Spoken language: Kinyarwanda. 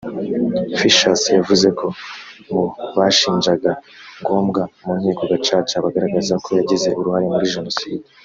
Fischels yavuze ko mu bashinjaga Ngombwa mu nkiko Gacaca bagaragazaga ko yagize uruhare muri Jenoside